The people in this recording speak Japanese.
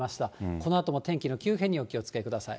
このあとも天気の急変にお気をつけください。